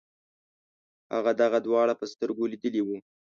هغه دغه دواړه په سترګو لیدلي وو.